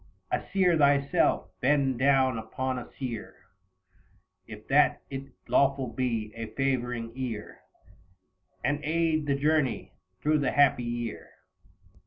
A seer thyself, bend down upon a seer If that it lawful be, a favouring ear, And aid the journey through the happy year.